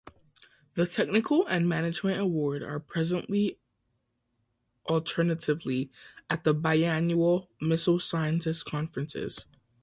The Technical and Management award are presently alternatively at the biannual Missile Sciences Conference.